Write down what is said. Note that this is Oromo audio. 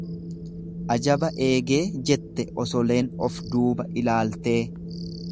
Ajaba eegee jette osoleen of duuba ilaaltee.